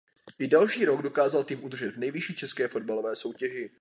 I další rok dokázal tým udržet v nejvyšší české fotbalové soutěži.